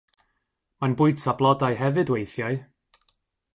Mae'n bwyta blodau hefyd weithiau.